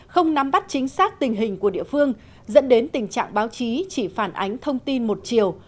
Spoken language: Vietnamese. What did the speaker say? không nắm bắt chính xác tình hình của địa phương dẫn đến tình trạng báo chí chỉ phản ánh thông tin một chiều